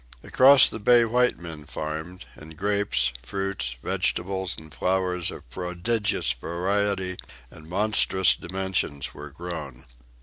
Across the bay white men farmed, and grapes, fruits, vegetables and flowers of prodigious variety and monstrous dimensions were grown.